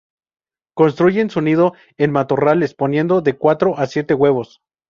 Construyen su nido en matorrales, poniendo de cuatro a siete huevos.